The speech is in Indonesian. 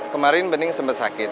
kemarin bening sempat sakit